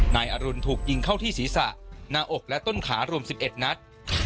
นายอรุณถูกยิงเข้าที่ศีรษะหน้าอกและต้นขารวม๑๑นัด